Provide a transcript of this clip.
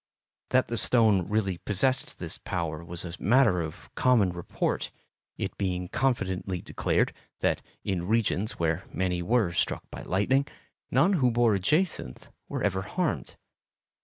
That the stone really possessed this power was a matter of common report, it being confidently declared that in regions where many were struck by lightning, none who wore a jacinth were ever harmed.